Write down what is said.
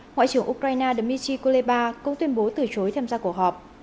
ngoại trưởng ukraine dmitry kuleba cũng tuyên bố từ chối tham gia cuộc họp